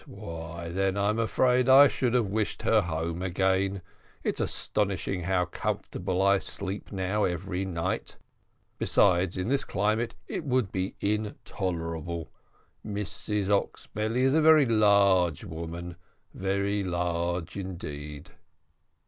why, then I'm afraid I should have wished her home again it's astonishing how comfortable I sleep now every night. Besides, in this climate it would be intolerable. Mrs Oxbelly is a very large woman very large indeed."